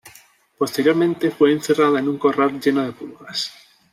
Posteriormente, fue encerrada en un corral lleno de pulgas.